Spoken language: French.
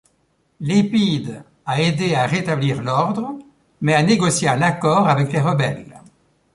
Lépide a aidé à rétablir l'ordre, mais a négocié un accord avec les rebelles.